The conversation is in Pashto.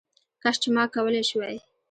کش چي ما کولې شواې